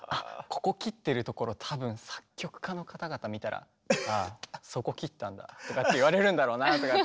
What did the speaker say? ここ切ってるところ多分作曲家の方々見たら「あそこ切ったんだ」とかって言われるんだろうなとかって思いながら。